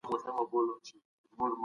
ولې وقایع په دې ډول پیښیږي؟